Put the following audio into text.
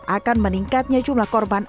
akan meningkatnya jumlah korban